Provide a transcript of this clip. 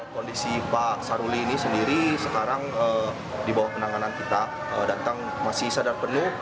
kondisi pak saruli ini sendiri sekarang di bawah penanganan kita datang masih sadar penuh